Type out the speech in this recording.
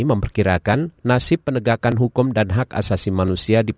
memperkirakan nasib penegakan hukum dan hak asasi manusia